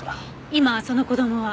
今その子供は？